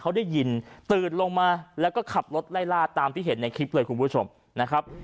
เขาได้ยินตื่นลงมาแล้วก็ขับรถไล่ล่าตามที่เห็นในคลิปเลยคุณผู้ชมนะครับ